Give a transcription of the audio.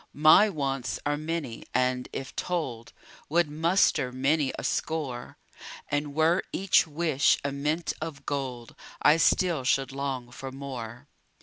My wants are many and, if told, Would muster many a score; And were each wish a mint of gold, I still should long for more.